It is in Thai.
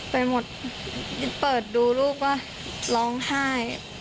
ไปหมดเปิดดูรูปว่าร้องไห้